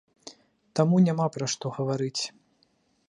Таму няма пра што гаварыць.